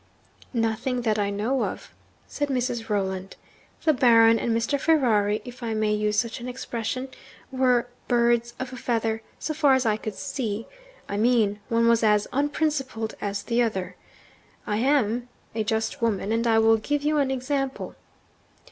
'Nothing that I know of,' said Mrs. Rolland. 'The Baron and Mr. Ferrari (if I may use such an expression) were "birds of a feather," so far as I could see I mean, one was as unprincipled as the other. I am a just woman; and I will give you an example.